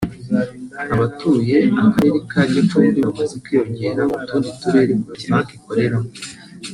abatuye akarere ka Gicumbi bamaze kwiyongera ku tundi turere Cogebanque ikoreramo